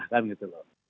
kan gitu loh